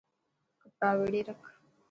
ڪپڙا ويڙي رک.